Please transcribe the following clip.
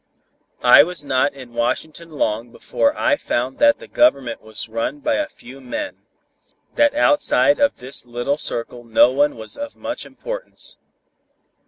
I was not in Washington long before I found that the Government was run by a few men; that outside of this little circle no one was of much importance.